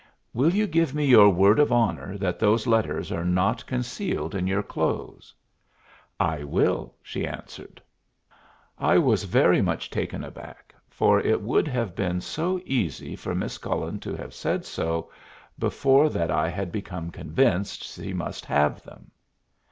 "Will you give me your word of honor that those letters are not concealed in your clothes?" "I will," she answered. I was very much taken aback, for it would have been so easy for Miss Cullen to have said so before that I had become convinced she must have them.